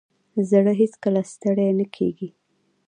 زړه هیڅکله ستړی نه کېږي.